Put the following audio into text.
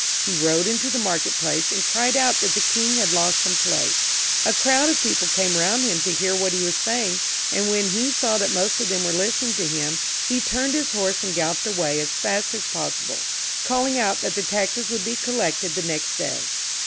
He rode into the market place, and cried out that the king had lost some plate ; a crowd of people came round him to hear what he was saying, and when he saw that most of them were listening to him, he turned his horse and gal loped away as fast as possible, calling out that the taxes would be collected the next day.